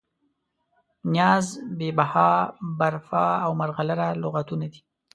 نیاز، بې بها، برپا او ملغلره لغتونه دي.